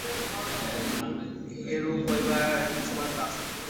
এরূপ হইবার কিছুমাত্র আশঙ্কা নাই।